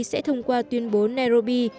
sẽ thông qua tuyên bố nairobi